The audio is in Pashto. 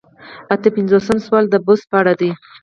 اته پنځوسم سوال د بست په اړه دی.